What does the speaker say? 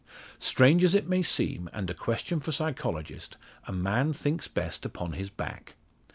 Strange as it may seem, and a question for psychologists, a man thinks best upon his back.